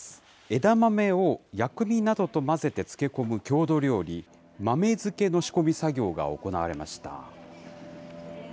枝豆を薬味などと混ぜて漬け込む郷土料理、豆漬けの仕込み作業が行われました。